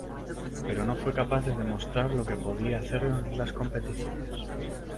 Pero no fue capaz de demostrar lo que podía hacer en las competiciones.